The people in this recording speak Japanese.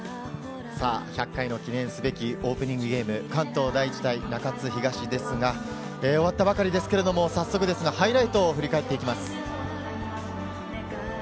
１００回の記念すべきオープニングゲーム、関東第一対中津東ですが、終わったばかりですけれども早速、ハイライトを振り返っていきます。